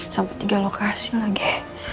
sampai tiga lokasi lagi